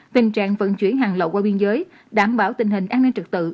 tình trạng vận chuyển hàng lậu qua biên giới đảm bảo tình hình an ninh trực tự